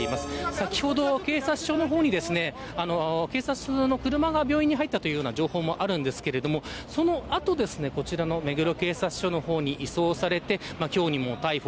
先ほど、警察署の方に警察の車が病院に入ったという情報もありますがその後、目黒警察署の方に移送されて今日にも逮捕。